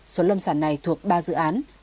số lâm sản này thuộc ba dự án